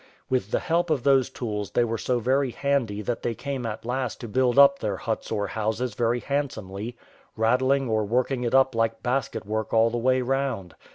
With the help of those tools they were so very handy that they came at last to build up their huts or houses very handsomely, raddling or working it up like basket work all the way round.